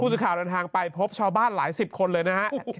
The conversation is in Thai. สื่อข่าวเดินทางไปพบชาวบ้านหลายสิบคนเลยนะฮะ